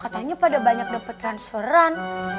katanya pada banyak dapat transferan